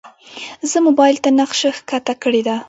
زه موبایل ته نقشه ښکته کړې ده.